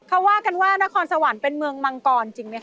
เขาว่ากันว่านครสวรรค์เป็นเมืองมังกรจริงไหมค